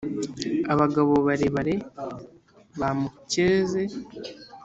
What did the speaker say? Abagabo barebare bamukeze